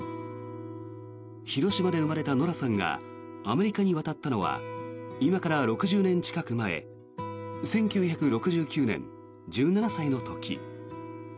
広島で生まれたノラさんがアメリカに渡ったのは今から６０年近く前１９６９年、１７歳の時。